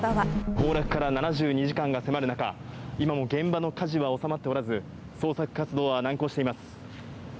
崩落から７２時間が迫る中、今も現場の火事はおさまっておらず、捜索活動は難航しています。